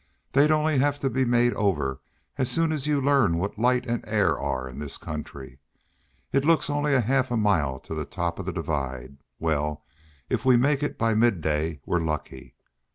"They'd only have to be made over as soon as you learn what light and air are in this country. It looks only half a mile to the top of the divide; well, if we make it by midday we're lucky.